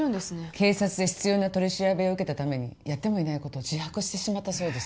警察で執ような取り調べを受けたためにやってもいないことを自白してしまったそうです